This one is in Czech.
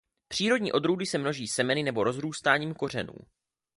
Přírodní odrůdy se množí semeny nebo rozrůstáním kořenů.